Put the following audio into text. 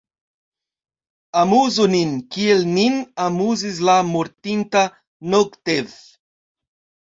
Amuzu nin, kiel nin amuzis la mortinta Nogtev!